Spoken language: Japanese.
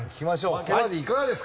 ここまでいかがですか？